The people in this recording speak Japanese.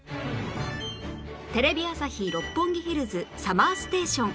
テレビ朝日・六本木ヒルズ ＳＵＭＭＥＲＳＴＡＴＩＯＮ